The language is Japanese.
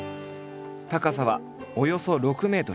高さはおよそ６ｍ。